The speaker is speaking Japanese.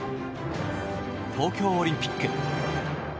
東京オリンピック。